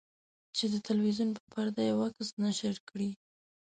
چې د تلویزیون په پرده یو عکس نشر کړي.